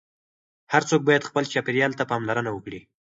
هر څوک باید خپل چاپیریال ته پاملرنه وکړي.